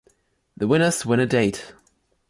The winners win a date.